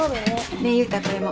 ねえ悠太これも。